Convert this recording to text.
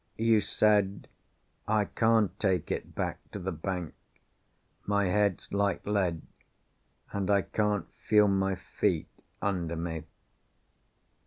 You said, "I can't take it back to the bank. My head's like lead—and I can't feel my feet under me."